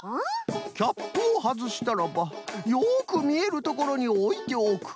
キャップをはずしたらばよくみえるところにおいておく。